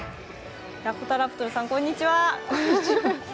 ダコタラプトルさんこんにちは。